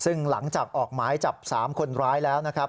ซึ่งหลังจากออกหมายจับ๓คนร้ายแล้วนะครับ